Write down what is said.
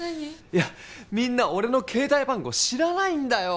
いやみんな俺の携帯番号知らないんだよ